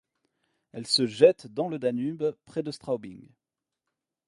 Elle se jette dans le Danube près de Straubing.